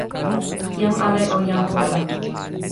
jan ale o jan pona.